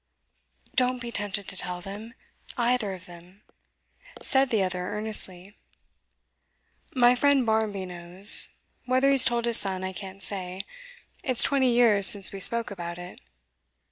'Don't be tempted to tell them either of them!' said the other earnestly. 'My friend Barmby knows. Whether he's told his son, I can't say; it's twenty years since we spoke about it.